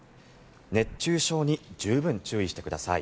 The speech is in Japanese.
熱中症に十分注意してください。